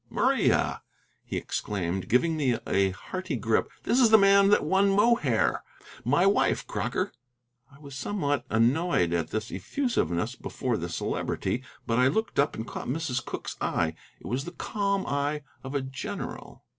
"Maria," he exclaimed, giving me a hearty grip, "this is the man that won Mohair. My wife, Crocker." I was somewhat annoyed at this effusiveness before the Celebrity, but I looked up and caught Mrs. Cooke's eye. It was the calm eye of a general.